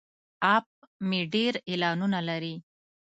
اپ مې ډیر اعلانونه لري.